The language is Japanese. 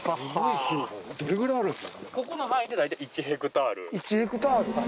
１ヘクタール。